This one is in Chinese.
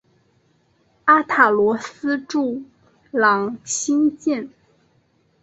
阿塔罗斯柱廊兴建。